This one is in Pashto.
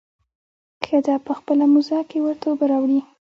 ښځه په خپله موزه کښې ورته اوبه راوړي.